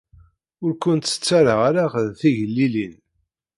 Ur kent-ttaraɣ ara d tigellilin.